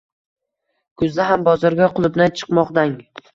Kuzda ham bozorga qulupnay chiqmoqdang